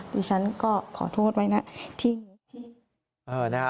ดิฉันก็ขอโทษไว้นะ